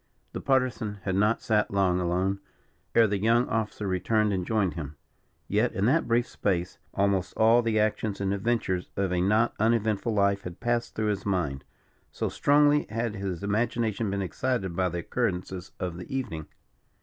The Partisan had not sat long alone, ere the young officer returned and joined him; yet, in that brief space, almost all the actions and adventures of a not uneventful life had passed through his mind; so strongly had his imagination been excited by the occurrences of the evening.